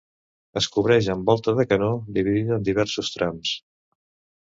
Es cobreix amb volta de canó dividida en diversos trams.